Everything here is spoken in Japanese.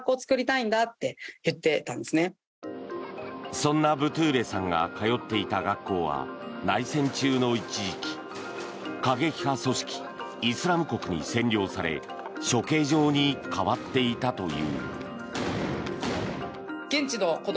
そんなブトゥーレさんが通っていた学校は内戦中の一時期過激派組織イスラム国に占領され処刑場に変わっていたという。